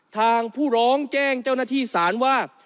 ทางผู้ร้องแจ้งเจ้าหน้าที่สารว่า